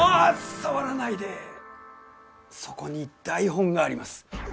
触らないでそこに台本があります